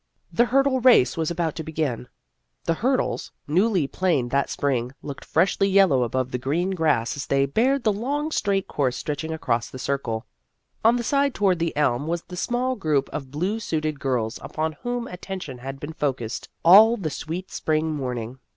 The hurdle race was about to begin. The hurdles, newly planed that spring, looked freshly yellow above the green grass as they barred the long straight course stretching across the Circle. On the side toward the elm was the small group of blue suited girls upon whom at tention had been focussed all the sweet spring morning.